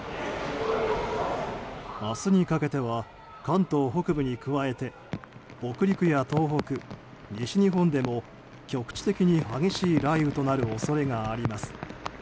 明日にかけては関東北部に加えて北陸や東北、西日本でも局地的に激しい雷雨となる恐れがあります。